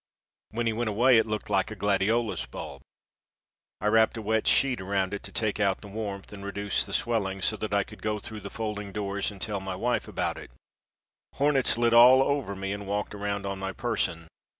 When he went away it looked like a gladiolus bulb. I wrapped a wet sheet around it to take out the warmth and reduce the swelling so that I could go through the folding doors and tell my wife about it. Hornets lit all over me and walked around on my person.